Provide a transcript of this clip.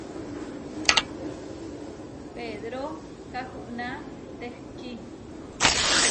Pedró kahuná tehkí.